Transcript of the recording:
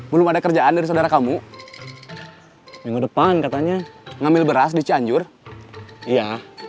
belum ada kerjaan dari saudara kamu minggu depan katanya ngambil beras di cianjur iya